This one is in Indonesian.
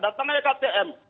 datang aja ktn